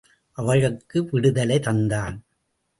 அவளுக்கு விடுதலை தந்தான்.